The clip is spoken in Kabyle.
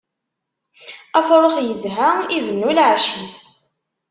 Afrux yezha, ibennu lɛecc-is.